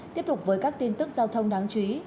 tiếp tục với các tin tức giao thông đáng chú ý